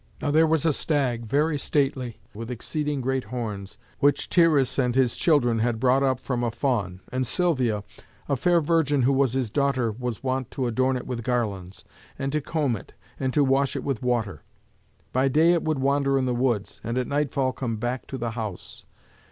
Now there was a stag, very stately, with exceeding great horns, which Tyrrheus and his children had brought up from a fawn. And Silvia, a fair virgin who was his daughter, was wont to adorn it with garlands, and to comb it, and to wash it with water. By day it would wander in the woods, and at nightfall come back to the house.